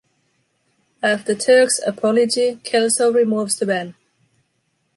After Turk’s apology, Kelso removes the ban.